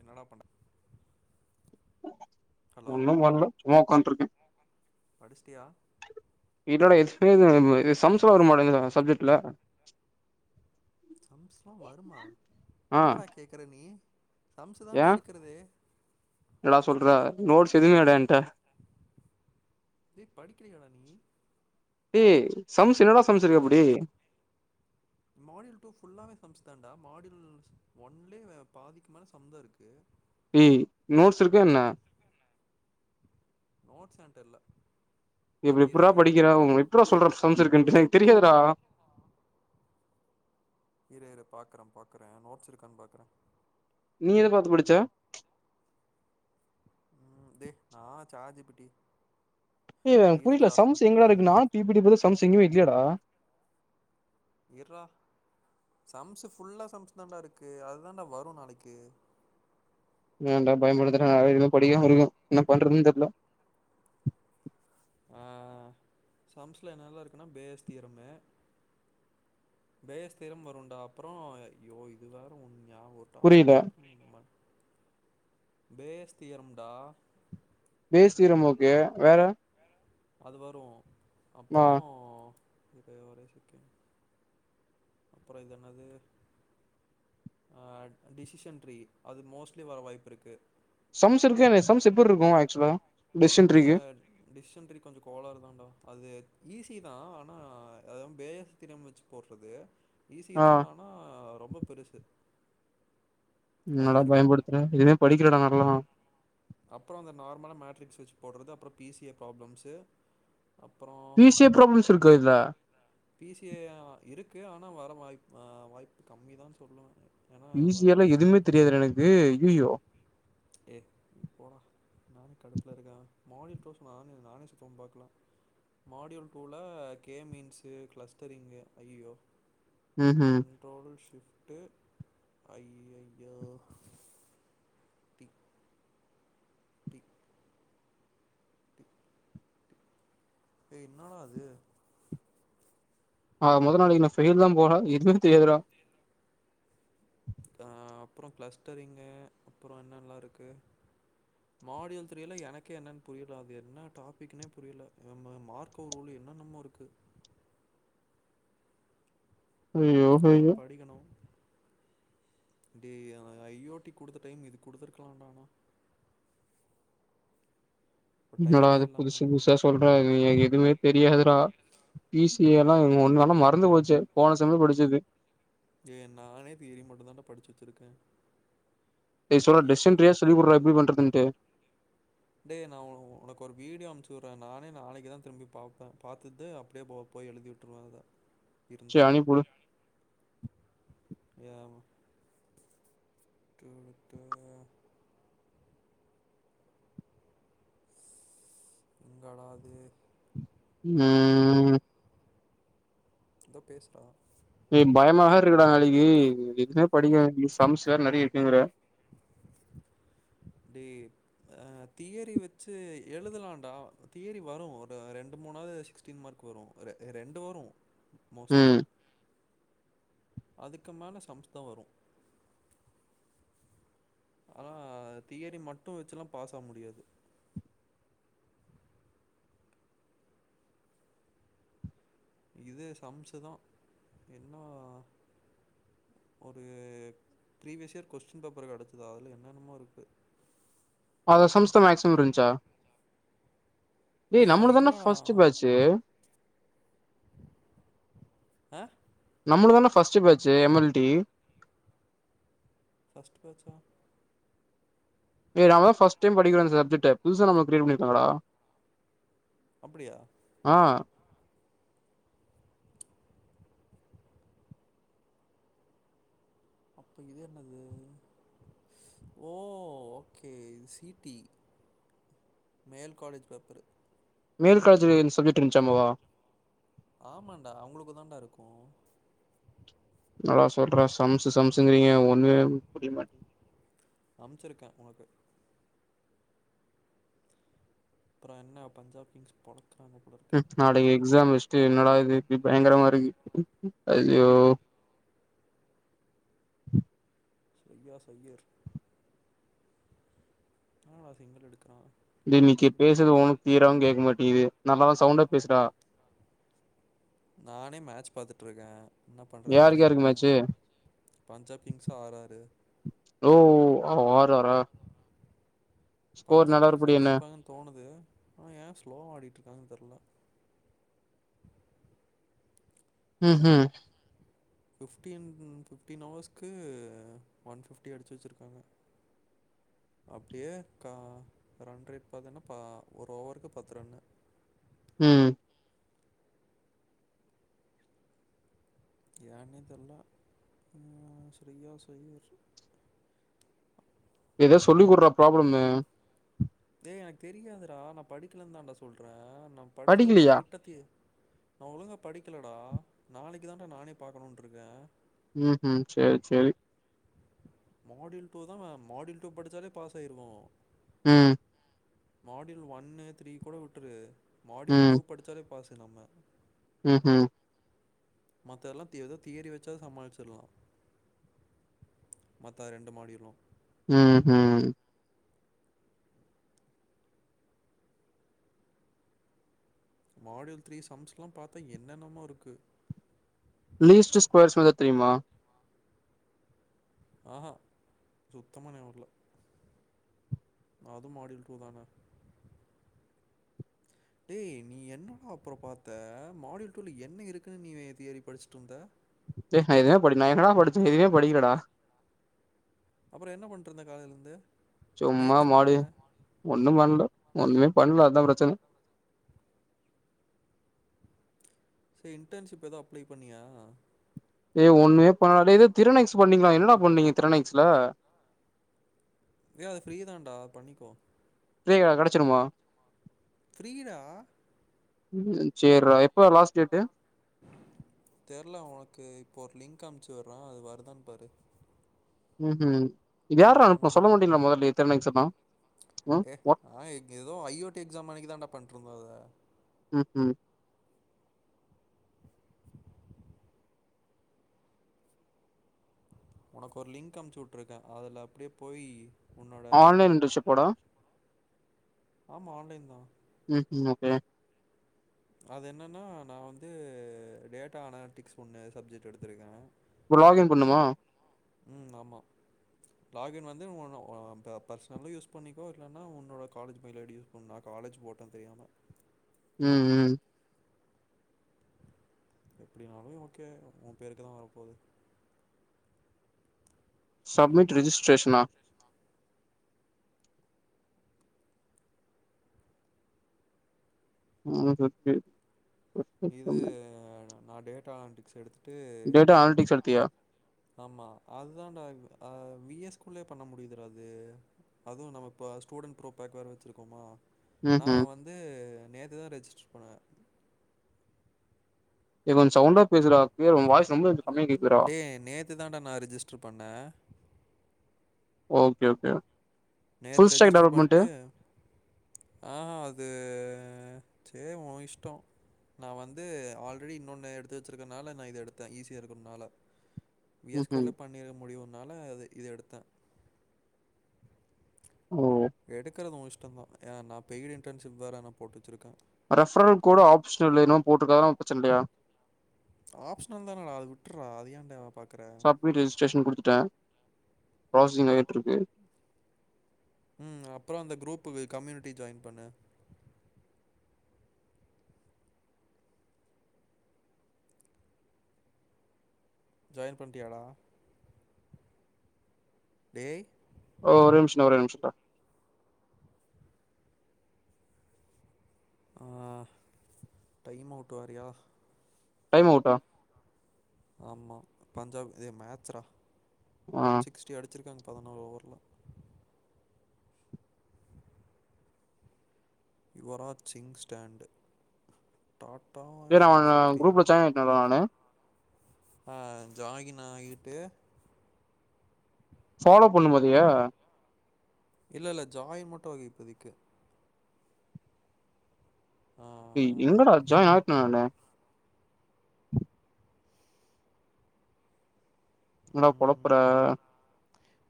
என்னடா பண் ஹலோ ஒன்னு பண்ல்ல சும்மா உக்கான்ட்ருக்க படிச்டியா இல்லடா எக்ஸ்பீரிம இது சம்ஸ்லா வருமாடா இந்த சப்ஜெட்டுல சம்ஸ்லா வருமா ஆ இன்னடா கேக்கற நீ சம்சுதாண்டா இருக்குறதே என்னாட சொல்ற நோட்ஸ் எதுமேல்லடா என்ட டேய் படிக்கலயாடா நீ டேய் சம்ஸ் என்னடா சம்ஸ் இருக்கு அப்டி மாடியுல் டூ ஃபுல்லாவே சம்ஸ் தான்டா மாடியுல் ஒன்லே பாதிக்கு மேல சம்தா இருக்கு ம் நோட்ஸ் இருக்கா என்ன நோட்ஸ் என்ட இல்ல இப்ப இரு எப்புட்ரா இரு படிக்கிற உங் பாக்குறே எப்பிடா சொல்ற சம்ஸ் இருக்குன்ட்டு எனக் தெரியாதுரா ஆ இரு இரு பாக்குற பாக்குற நோட்ஸ் இருக்கான் பாக்குற நீ எத பாத்து படிச்ச ம் டே நா சாட்ஜிபிட்டி ஏ எனக் புரியில சம்ஸ் இரு இரு எங்கருக்கு நானு பிபிடி போட்ட சம்ஸ் எங்கியு இல்லியேடா இர்ரா சம்ஸ் ஃபுல்லா சம்ஸ் தாண்டாருக்கு அதுதாண்டா வரு நாளைக்கு நீயேண்டா பயமுடுத்துற நாவே எதுமே படிகாம இருக்க என்ன பண்றதுன் தெர்ல அ சம்ஸ்ல என்னல்லா இருக்குன்னா பேஸ் தீரமு பேஸ் தீறம் வரும்டா அப்புறோ ஐயோ இது வேற ஒன்னு ஞா ஒரு டாபிக் புரியல மறந்து [unintelligible] பேஸ் தீரம்டா பேஸ் தீரம் ஓகே வேற அது வரு ஆ அப்றோ இரு ஒரு செக்கண்ட் அப்பறோ இது என்னது ஆ டிசிஷன் ட்ரீ அது மோஸ்ட்லி வர வாய்ப்பு இருக்கு சம்ஸ் இருக்கா இந்த சம்ஸ் எப்பட்ருக்கு ஆக்சுவலா டெசிஷன் ட்ரீக்கு கட் டெஸிசன் ட்ரீ கொஞ்சோ கோளாறு தான்டா அது ஈஸி தா ஆனா அதுவு பேஸ் தெரியாம வச்சு போடுறது ஈஸி ஆ தா ஆனா ரொம்ப பெருசு டைம் என்னடா எடுக்கும் பயமுடுத்துற எதுமே படிக்கல டா நால்லா அப்புறோ அந்த நார்மலா மட்ரிக்ஸ்விட்ச் போடுறது அப்புறோ பிசிஏ ப்ராப்ளம்சு அப்றோ பிசிஎ ப்ராப்ளம்ஸ் இருக்கா இதுல பிசிஏ இருக்கு ஆனா வர வாய்ப் ஆ வாய்ப்பு கம்மி தா சொல்லுவாங்க பிசியேல எதுமே தெரியாதுடா எனக்கு ஐயய்யோ ஏ போடா நானே கடுப்புல இருக்க மார்னிங் [unintelligible] நானே சுத்தம் பாக்கல மாடியூல் டூல கேமீன்சு கிளஸ்டரிங்கு ஐயயோ ம் ம் ட்ரோடல் ஷிப்ட்டு ஐயய்யோ தி டி டி டேய் இன்னடா அது ஆக மொத்த நாளைக்கு நா ஃபெயில்தா போல இதுமே தெரியாது டா அ அப்றோ கிளஸ்டரிங்கு அப்றோ என்னல்லா இருக்கு மாடியுல் தெரில எனக்கே என்னென்னு புரில அது என்ன டாப்பிக்னே புரில நம்ம மார்க் ரூல் என்னென்னமோ இருக்கு ஐயோ அதலா ஐயோ படிக்கணு டேய் அவ ஐஓடி குடுத்த டைம் இது குடுத்துருக்கலான்டா ஆனா [inaudible] என்னடா இது இல்லாம புதுசு புதுசா சொல்ற எனக் எதுமே தெரியாதுடா பீஸ் ஏ எல்லா ஒன்னல்லா மறந்து போச்சு போன செம்மு படிச்சது ஏ நானே தியரி மட்டு தான்டா படிச்சு வச்சிருக்கே டேய் [inaudible] பிசி டெசன்ரியா சொல்லி குடுடா எப்டி பண்றதுன்ட்டு டேய் நா ஓ ஒனக்கு ஒரு வீடியோ அனுபுச்சு உட்றே நானே நாளைக்கு தா திரும்பி பாப்பே பாத்துட்டு அப்டியே போ போய் எழுதிவிட்ருவே அத இருந்தா சரி அனுப்பிவுடு ஏ ஆமா என்னடா அது ம் [unintelligible] பேசுறா டேய் பயமாவேருக்குடா நாளைக்கு எதுமே படிக்கல சம்ஸ் வேற நறைய இருக்கு வேற டேய் அ தியரி வச்சு எழுதலான்டா தியரி வரு ஒரு ரெண்டு மூணாது கொஸ்டின் மார்க் வரு ரெ ரெண்டு வரு மோஸ்ட்லி ம் அதுக்கு மேல சம்ஸ் தா வரு ஆனா தியரி மட்டு வச்சுலா பாஸ் ஆ முடியாது இது சம்சு தா என்னா ஒரு ப்ரீவியஸ் இயர் கொஸ்டின் பேப்பரு கெடச்சது அதுல என்னென்னமோ இருக்கு அதுல சம்ஸ் தோ மேக்ஸிமம் இருந்ச்சா டேய் நம்மள்து தான்டா ஃபஸ்ட்டு பேட்ச்சு ஆ நம்மளுது தான்டா ஃபஸ்ட்டு பேட்ச்சே எம் எல் டி ஃபஸ்ட்டு பேட்ச்சா டே நம்ம தா ஃபர்ஸ்ட் டைம் படிக்கிறோ இந்த சப்ஜக்ட்டே புதுசா நம்மளுக் க்ரியேட் பண்ணிருக்காங்கடா அப்டியா ஆ அப்ப இது என்னது ஓ ஓகே இது சி டி மேல் காலேஜ் பேப்பரு மேல் காலேஜுல இந்த சப்ஜெக்ட் இருந்துச்சாமாவா ஆமான்டா அவங்குளுக்குந்தான்டா இருக்கு நல்லா சொல்ற சம்சு சம்சுங்கிறீங்க ஒன்னுமே அம்ச்சுருக்கே உனக்கு அப்றோ என்ன பஞ்சப் கிங்ஸ் பொலக்குறாங்க ம் நாளைக்கு எக்ஸாம் வச்சுட்டு என்னடா இது இப்டி பயங்கரமா இருக்கு ஐயோ ரியாஸ் அய்யர் [inaudible] எடுக்குறா இது இன்னைக்கு பேசுனது ஒன்னு கிளியராவு கேக்க மாட்டங்குது நல்லா சவுண்டா பேசுடா நானே மேட்ச் பாத்துட்ருக்கே என்ன பண்றதுன் யாருக்கு யாருக்கு தெரியாம மேட்ச்சு பாஞ்சாப் கிங்ஸு ஆர் ஆரு ஓ அவே ஆர் ஆரா பஞ்சாப் கிங்ஸ் தா என்ன ஜெய்ப்பாங்கன் தோணுது ஆனா ஏ ஸ்லோவா ஆடிட்ருக்காங்கன் தெர்ல ம் ஹும் ஃபிஃப்டீன் ஃபிஃப்டீன் ஓவர்ஸ்க்கு ஒன் ஃபிஃப்டி அடிச்சி வச்சுருக்காங்க அப்பிடியே கா ரன்ரேட் பாத்தேன்னா பா ஒரு ஓவருக்கு பத்து ரன்னு ம் ஏனே தெர்ல ஆ ஷ்ரயா ஷ்ராயாஸ்ஸு எதோ சொல்லி குட்றா ப்ராப்ளம்மு ஏ எனக்கு தெரியாதுரா நா படிக்கலன் தான்டா சொல்றே நா படிச்சது படிக்கலையா லைட்டா தி நா ஒழுங்கா படிக்கலடா நாளைக்கு தான்டா நானே பாக்கணுன்ட்ருக்கே ம் ஹும் சேரி சேரி மாட்யூல் டூ தா மாட்யூல் டூ படிச்சாலே பாஸ் ஆயிருவோ ம் மாட்யூல் ஒன்னு த்ரீ கூட விட்ரு மாட்யூல் டூ ம் படிச்சாலே பாஸு நம்ம ம் ஹும் மத்த எல்லா தி எதோ தியரி வச்சாவ் சமாளிச்சிர்லா மத்த ரெண்டு மாட்யூலு ம் ஹும் மாட்யூல் த்ரீ சம்ஸ்ல்லா பாத்தா என்னென்னமோருக்கு லீஸ்ட்டு ஸ்கொயர்ஸ் எதா தெரிமா ஆஹா சுத்தமா ஞாவர்ல அது மாட்யூல் டூ தான டே நீ என்னடா அப்றோ பாத்த மாட்யூல் டூல என்ன இருக்குன் நீ நேத் தியரி படிச்சுட் வந்த ஏ நா எதுமே படிக் நா என்னடா படிச்சே எதுமே படிக்கலடா அப்றோ என்ன பண்ட்ருந்தே காலைலந்து சும்மா மாடி ஒண்ணு பண்ணல ஒண்ணுமே பண்ணல அதா பிரச்சன சேர் இன்டர்ன்ஷிப் எது அப்ளை பண்ணியா ஏ ஒண்ணுமே பண்ணலடா டே எதோ திறனக்ஸ் பண்ணீங்ளா என்னடா பண்ணீங்க திறனக்ஸ்ல டே அது ஃப்ரீ தான்டா பண்ணிக்கோ ப்ளேகா கெடச்சிருமா ஃப்ரீ டா ம் சேர்ரா எப்ப லாஸ்ட் டேட்டு தெர்ல ஒனக்கு இப்போ ஒரு லிங்க் அம்ச்சு உர்றே அது வருதான் பாரு ம் ஹும் இது யார்ரா அனுப்புனா சொல்ல மாட்டிங்ளா மொதல்லயே திறனக்ஸ் எல்லா ஏ ஆ எங் எதோ ஐ ஓ டி எக்ஸாம் அன்னிக்கு தான்டா பண்ட்ருந்தோ அத ம் ம் ஒனக்கு ஒரு லிங்க் அம்ச்சு வுட்ருக்கே அதுல அப்டியே போயி ஆன்லைன் இன்டன்ஷிப்பாடா ஆமா ஆன்லைன் தா ம் ஹும் ஓகே அது என்னன்னா நா வந்து டேட்டா அனாட்டிக்ஸ் ஒண்ணு சப்ஜெக்ட் எடுத்திருக்கே இப்ப லாகி்ன் பண்ணனுமா ம் ஆமா லாகின் வந்து ஒன்ன ஓ ப பர்ஸ்னலு யூஸ் பண்ணிக்கோ இல்லன்னா உன்னோட காலேஜ் மெய்ல் ஐ டி யூ ன் நா காலேஜ் போட்ட தெரியாம ம் ம் எப்டினாலு ஓகே ஒ பேருக்கு தா வரப்போது சப்மிட் ரிஜிஸ்ட்ரேஷனா [unintelligible] இது நா டேட்டா அனடிக்ஸ் எடுத்துட்டு டேட்டா அனலிட்டிக்ஸ் எடுத்தியா ஆமா அதுதான்டா ஆ வி எஸ் குள்ளே பண்ண முடிதுடா அது அதுவு நம்ம இப்ப ஸ்டுடண்ட் ப்ரோ பேக் வேற வச்சிருக்கோமா ம் நா ம் வந்து நேத்துதா ரெஜிஸ்டர் பண்ணுவ ஏ கொஞ்சோ சவ்ண்டா பேசுறா கிளியர் உ வாய்ஸ் ரொம்ப எனக் கம்மியா கேக்குதுறா இது தாண்டா நா ரிஜிஸ்டர் பண்ண ஓகே ஓகே நேத்து ஃபுல் ஸ்டாக் ரெஜிஸ்டர் டெவலப்மெண்ட்டு பண்ட்டு ஆ அது சே ஒ இஷ்டோ நா வந்து ஆல்ரெடி இன்னொன்னு எடுத்து வச்சிருக்கனால நா இது எடுத்த ஈஸியா இருக்கும்னால வி எஸ் கோ ம்ஹும் ல பண்ணிட முடியுன்னால அது இது எடுத்த ஓ எடுக்கறது ஒ இஷ்டந்தா ஏ நா பெய்டு இன்டன்ஷிப் வேற நா போட்டு வச்சிருக்க ரெப்ஃரல் கோடு ஆப்ஷனலு என்னமோ போட்ருக்காக பிரச்சன இல்லையா ஆப்ஷனல் தானடா அது விட்டுர்றா அது ஏன்டா பாக் சப்மிட் ரிஜிஸ்ட்ரேஷன் குடுத்துட்ட ப்ராசஸிங் ஆயிட்ருக்கு ம் அப்புறோ அந்த க்ரூப்புக்கு கம்யூனிட்டி ஜாய்ன் பண்ணு ஜாய்ன் பண்ட்டியாடா டேய் ஓ ஒரே நிமிஷம்டா ஒரே நிமிஷம்டா ஆ டைம் அவ்ட் வேறயா டைம் அவுட்டா ஆமா பஞ்சாப் இதே மேச்ரா ஆ ஒன் சிக்ஸ்டி அடிச்சிருக்காங்க பதினோறு ஓவர்ல யுவராஜ் சிங் ஸ்டண்ட்டு டாட்டா இந்தியன் ப்ரீம் என்னதானு அ ஜாகின் ஆயிட்டு ஃபாலோ பண்ணும் பாத்தியா இல்ல இல்ல ஜாய்ன் மட்டு ஆகு இப்பதிக்கு ஆ இல்ல டா ஜாய்ன் ஆய்ட்ட நானு என்னடா கொழப்பற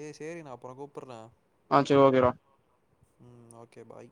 ஏ சேரி நா அப்பறொ கூப்பட்ற ஆ சேர் ஓகேடா ம் ஓகே பாய்